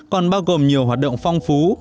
còn bao gồm nhiều hoạt động phong phú